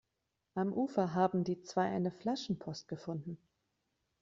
Am Ufer haben die zwei eine Flaschenpost gefunden.